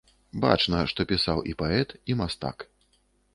Бачна, што пісаў і паэт, і мастак.